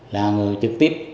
là người trực tiếp